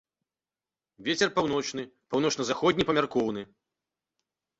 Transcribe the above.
Вецер паўночны, паўночна-заходні памяркоўны.